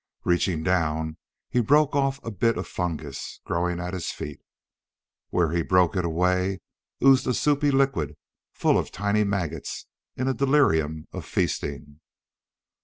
Reaching down, he broke off a bit of fungus growing at his feet. Where he broke it away oozed a soupy liquid full of tiny maggots in a delirium of feasting.